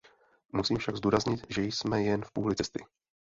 Musím však zdůraznit, že jsme jen v půli cesty.